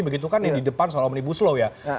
begitu kan di depan soal omnibus law ya